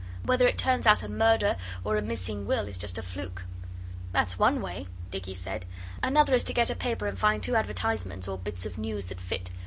Whether it turns out a murder or a missing will is just a fluke.' 'That's one way,' Dicky said. 'Another is to get a paper and find two advertisements or bits of news that fit.